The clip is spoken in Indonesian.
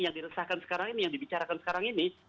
yang diresahkan sekarang ini yang dibicarakan sekarang ini